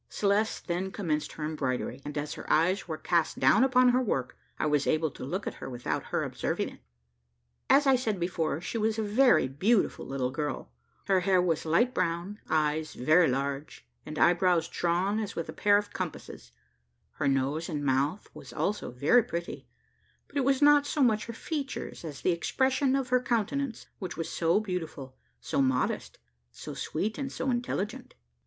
Celeste then commenced her embroidery, and as her eyes were cast down upon her work, I was able to look at her without her observing it. As I said before, she was a very beautiful little girl; her hair was light brown, eyes very large, and eyebrows drawn as with a pair of compasses; her nose and mouth was also very pretty; but it was not so much her features as the expression of her countenance, which was so beautiful, so modest, so sweet, and so intelligent.